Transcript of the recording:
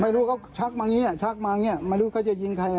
ไม่รู้เขาชักมาอย่างนี้ชักมาอย่างนี้ไม่รู้เขาจะยิงใคร